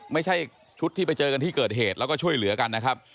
ไม่ใช่ชุดที่ไปเจอกันที่เกิดเหตุแล้วก็ช่วยเหลือกันนะครับ